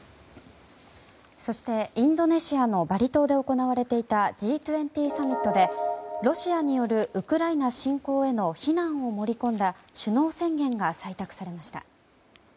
そして、インドネシアのバリ島で行われていたＧ２０サミットでロシアによるウクライナ侵攻への非難を盛り込んだ首脳宣言が採択されました。